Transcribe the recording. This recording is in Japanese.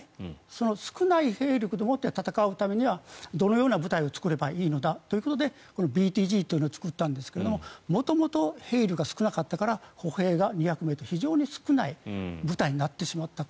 その少ない兵力でもって戦うためには、どのような部隊を作ればいいのだということでＢＴＧというのを作ったんですけど元々、兵力が少なかったから歩兵が２００名と非常に少ない部隊になってしまった。